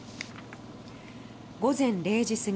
午前０時過ぎ